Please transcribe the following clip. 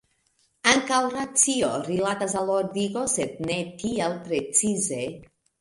Ankaŭ racio rilatas al ordigo, sed ne tiel precize.